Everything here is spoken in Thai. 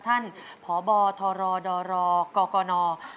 ท่านพบทรดรกกน